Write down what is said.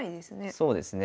そうですね。